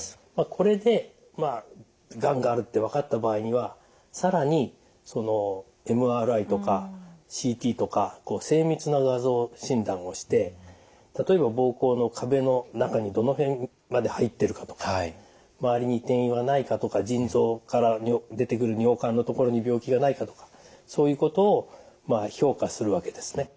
これでがんがあるって分かった場合には更にＭＲＩとかＣＴとか精密な画像診断をして例えば膀胱の壁の中にどの辺まで入ってるかとか周りに転移はないかとか腎臓から出てくる尿管の所に病気がないかとかそういうことを評価するわけですね。